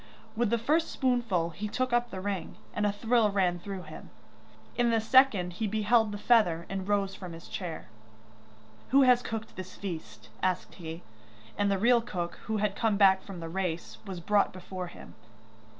With the first spoonful he took up the ring, and a thrill ran through him; in the second he beheld the feather and rose from his chair. 'Who has cooked this feast?' asked he, and the real cook, who had come back from the race, was brought before him.